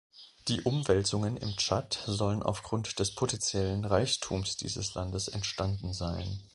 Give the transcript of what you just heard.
Die Umwälzungen im Tschad sollen aufgrund des potentiellen Reichtums dieses Landes entstanden sein.